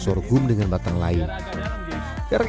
sorghum dengan batang lain sekarang